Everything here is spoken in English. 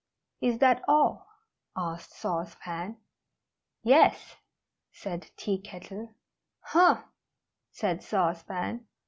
"Is that all?" asked Sauce Pan. "Yes," said Tea Kettle. "Humph!" said Sauce Pan.